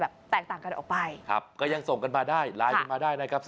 แตกต่างกันออกไปครับก็ยังส่งกันมาได้ไลน์กันมาได้นะครับ